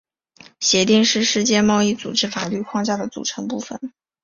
协定是世界贸易组织法律框架的组成部分。